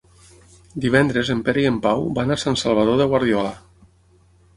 Divendres en Pere i en Pau van a Sant Salvador de Guardiola.